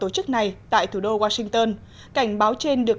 chúc các thầy cô mạnh khỏe hạnh phúc hạnh phúc